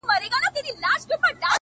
ولاړم دا ځل تر اختتامه پوري پاته نه سوم؛